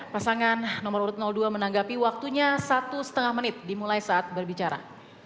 pasangan nomor urut dua menanggapi waktunya satu setengah menit dimulai saat berbicara